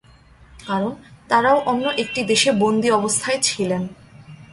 কারণ তারাও অন্য একটি দেশে বন্দী অবস্থায় ছিলেন।